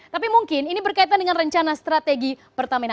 tapi mungkin ini berkaitan dengan rencana strategi pertamina